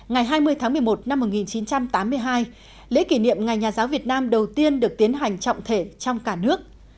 ngày hai mươi tháng một mươi một năm một nghìn chín trăm tám mươi hai lễ kỷ niệm ngày nhà giáo việt nam đầu tiên được tiến hành trọng thể trong cả nước